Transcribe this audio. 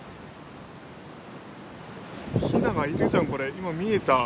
今見えた。